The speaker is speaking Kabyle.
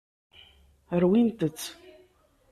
Rwint-tt.